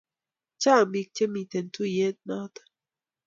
Chang pik che kimiten tuyet noton